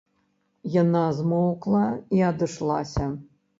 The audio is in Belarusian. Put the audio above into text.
Яна змоўкла і адышлася.